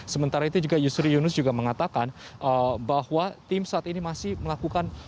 sementara itu juga yusri yunus juga mengatakan bahwa tim saat ini masih melakukan